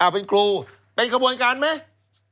เป็นครูเป็นกระบวนการไหม